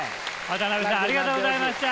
渡辺さんありがとうございました！